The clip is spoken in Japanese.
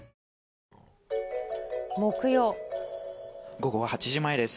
午後８時前です。